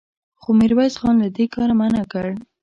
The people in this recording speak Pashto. خو ميرويس خان له دې کاره منع کړ.